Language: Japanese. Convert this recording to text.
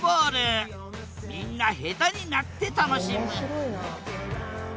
みんな下手になって楽しむ面白いな。